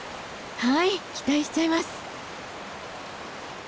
はい期待しちゃいます。